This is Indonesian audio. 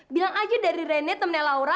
bilang aja dari rene time laura